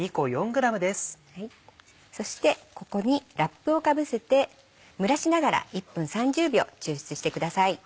そしてここにラップをかぶせて蒸らしながら１分３０秒抽出してください。